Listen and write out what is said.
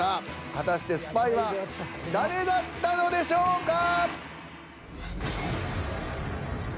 果たしてスパイは誰だったのでしょうか？